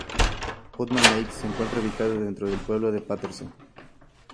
Putnam Lake se encuentra ubicado dentro del pueblo de Patterson.